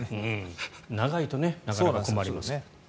長いと、なかなか困ります。